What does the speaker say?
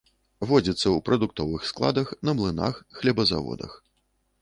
Водзіцца ў прадуктовых складах, на млынах, хлебазаводах.